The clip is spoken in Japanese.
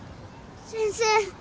先生